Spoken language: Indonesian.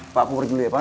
pak pukul dulu ya pak